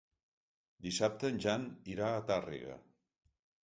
Dissabte en Jan irà a Tàrrega.